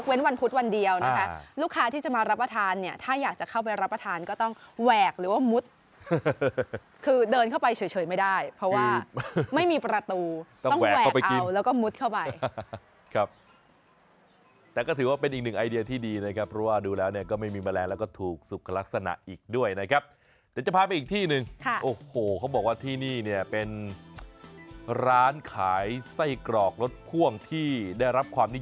เป็นวันพุธวันเดียวนะคะลูกค้าที่จะมารับประทานเนี่ยถ้าอยากจะเข้าไปรับประทานก็ต้องแหวกหรือว่ามุดคือเดินเข้าไปเฉยไม่ได้เพราะว่าไม่มีประตูต้องแหวกเอาแล้วก็มุดเข้าไปแต่ก็ถือว่าเป็นอีกหนึ่งไอเดียที่ดีนะครับเพราะว่าดูแล้วก็ไม่มีแบรนด์แล้วก็ถูกสุขลักษณะอีกด้วยนะครับเดี๋ยวจะพาไปอีกที่